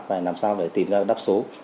và làm sao để tìm ra đáp số